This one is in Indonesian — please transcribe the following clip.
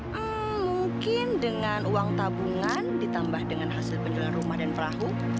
hmm mungkin dengan uang tabungan ditambah dengan hasil penjualan rumah dan perahu